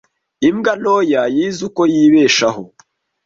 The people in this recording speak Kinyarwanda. imbwa ntoya yize uko yibeshaho